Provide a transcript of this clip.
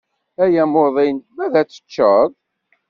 Ay amuḍin ma ad teččeḍ.